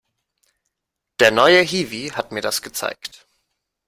Der neue Hiwi hat mir das gezeigt.